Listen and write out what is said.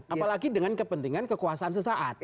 apalagi dengan kepentingan kekuasaan sesaat